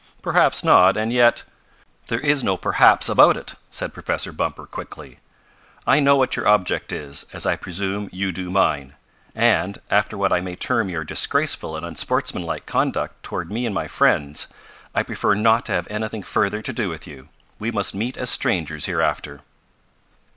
"Perhaps not, and yet " "There is no perhaps about it!" said Professor Bumper quickly. "I know what your object is, as I presume you do mine. And, after what I may term your disgraceful and unsportsmanlike conduct toward me and my friends, I prefer not to have anything further to do with you. We must meet as strangers hereafter."